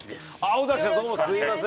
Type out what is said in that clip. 尾崎さんどうもすいません。